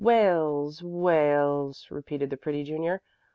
"Wales Wales " repeated the pretty junior.